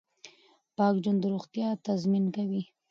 پاک ژوند د روغتیا تضمین کوي.